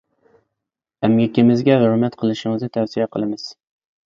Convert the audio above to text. ئەمگىكىمىزگە ھۆرمەت قىلىشىڭىزنى تەۋسىيە قىلىمىز.